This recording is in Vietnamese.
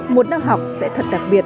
một năm học sẽ thật đặc biệt